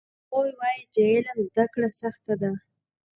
هغوی وایي چې علم زده کړه سخته ده